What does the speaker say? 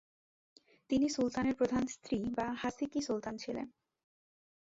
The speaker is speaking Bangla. তিনি সুলতানের প্রধান স্ত্রী বা "হাসেকি সুলতান" ছিলেন।